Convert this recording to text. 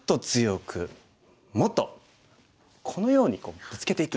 もっとこのようにブツケていく。